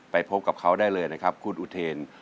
พบกับเขาได้เลยนะครับคุณอุเทน